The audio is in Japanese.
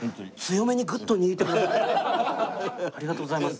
ありがとうございます。